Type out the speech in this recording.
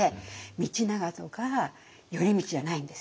道長とか頼通じゃないんです。